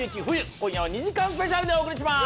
今夜は２時間スペシャルでお送りします！